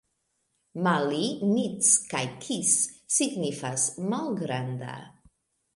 Mali, mic kaj kis signifas: malgranda.